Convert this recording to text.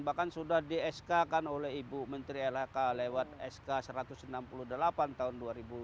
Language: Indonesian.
bahkan sudah di sk kan oleh ibu menteri lhk lewat sk satu ratus enam puluh delapan tahun dua ribu dua puluh